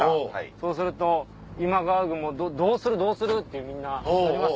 そうすると今川軍もどうするどうするってみんななります。